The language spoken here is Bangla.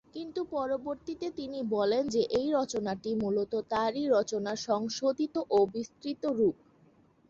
কিন্তু পরবর্তীতে তিনি বলেন যে এই রচনাটি মূলত তারই রচনার সংশোধিত ও বিস্তৃত রূপ।